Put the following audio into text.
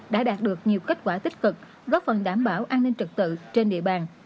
đã đạt được nhiều kết quả tích cực góp phần đảm bảo an ninh trực tự trên địa bàn